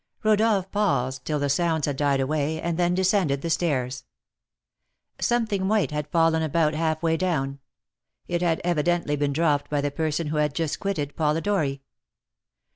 Rodolph paused till the sounds had died away, and then descended the stairs. Something white had fallen about half way down; it had evidently been dropped by the person who had just quitted Polidori.